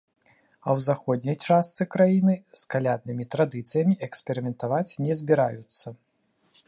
А ў заходняй частцы краіны з каляднымі традыцыямі эксперыментаваць не збіраюцца.